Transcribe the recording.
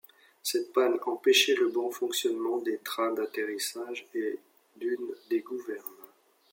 Cette panne empêchait le bon fonctionnement des trains d'atterrissage et d'une des gouvernes.